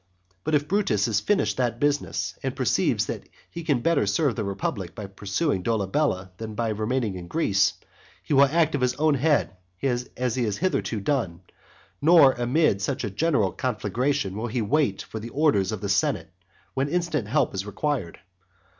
But if Brutus has finished that business, and perceives that he can better serve the republic by pursuing Dolabella than by remaining in Greece, he will act of his own head, as he has hitherto done, nor amid such a general conflagration will he wait for the orders of the senate when instant help is required.